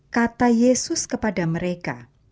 kata yesus kepada mereka